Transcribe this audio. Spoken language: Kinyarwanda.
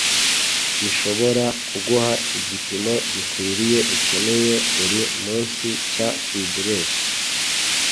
bishobora kuguha igipimo gikwiriye ukeneye buri munsi cya fibures.